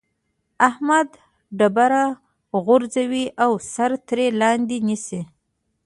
احمد ډبره غورځوي او سر ترې لاندې نيسي.